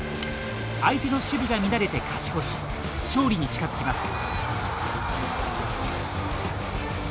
相手の守備が乱れて勝ち越し勝利に近づきます。